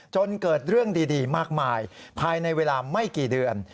จนเกิดเรื่องดีมากมายภายในเวลาไม่กี่เดือน